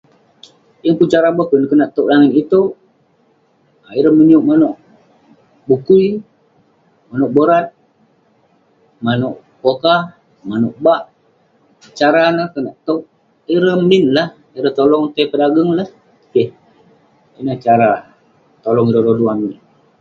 yeng pun cara boken konak towk langit itouk..ireh menyuwk manouk bukui..manouk borat, manouk pokah..manouk bak..cara neh konak towk ireh min lah, ireh tolong tai pedageng neh..keh..ineh cara tolong ireh rodu amik..